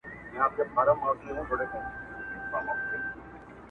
او پای پوښتنه پرېږدي,